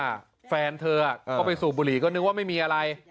แฟนเธอก็ไปสูบบุหรี่ก็นึกว่าไม่มีอะไร